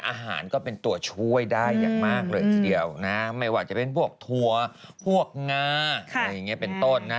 อาหารก็เป็นตัวช่วยได้อย่างมากเลยทีเดียวนะไม่ว่าจะเป็นพวกถั่วพวกงาอะไรอย่างนี้เป็นต้นนะ